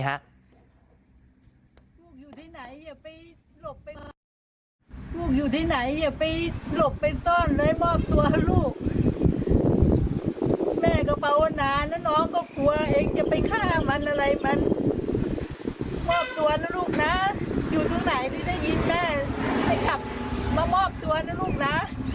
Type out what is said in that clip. พุกมีกว่าแต่อย่าไปผิดที่ตัวเองนะลูกนะ